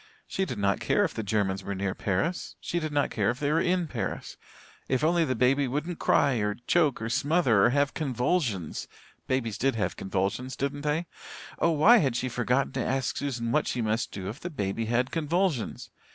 She did not care if the Germans were near Paris she did not care if they were in Paris if only the baby wouldn't cry or choke or smother or have convulsions. Babies did have convulsions, didn't they? Oh, why had she forgotten to ask Susan what she must do if the baby had convulsions?